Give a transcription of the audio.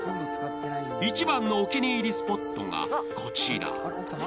一番のお気に入りスポットがこちら。